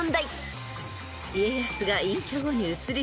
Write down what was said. ［家康が］